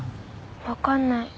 分かんない。